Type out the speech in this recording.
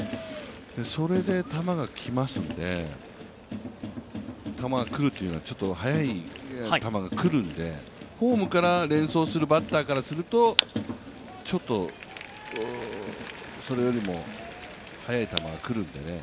それで球がきますので、球がくるというのは、ちょっと速い球がくるので、フォームから連想するバッターからするとちょっとそれよりも速い球が来るんでね。